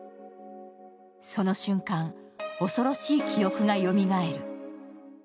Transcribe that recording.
その瞬間、恐ろしい記憶がよみがえる。